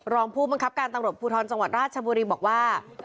รองผู้บังคับการตำรวจภูทรจังหวัดราชบุรีบอกว่า